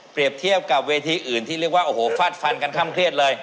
เทียบกับเวทีอื่นที่เรียกว่าโอ้โหฟาดฟันกันข้ามเครียดเลย